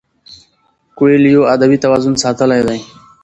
کویلیو ادبي توازن ساتلی دی.